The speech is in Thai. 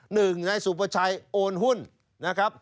หนึ่งนายสุประชัยโอนหุ้นนะครับ